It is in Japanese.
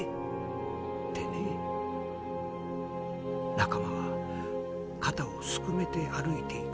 仲間は肩をすくめて歩いていく。